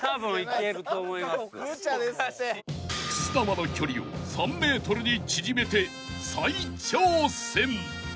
［くす玉の距離を３ｍに縮めて再挑戦］